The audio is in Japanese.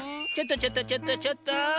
ちょっとちょっとちょっとちょっと。